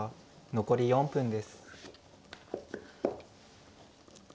残り４分です。